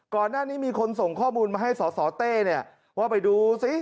ก่อนหน้านี้มีคนส่งข้อมูลมาให้สสเต้เนี่ยว่าไปดูซิ